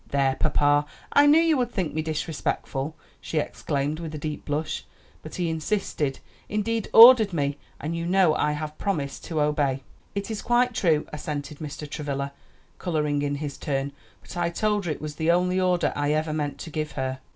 "There, papa, I knew you would think me disrespectful," she exclaimed with a deep blush; "but he insisted, indeed ordered me, and you know I have promised to obey." "It is quite true," assented Mr. Travilla, coloring in his turn; "but I told her it was the only order I ever meant to give her."